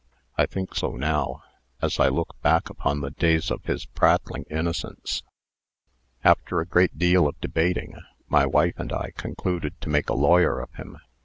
I think so now, as I look back upon the days of his prattling innocence. "After a great deal of debating, my wife and I concluded to make a lawyer of him.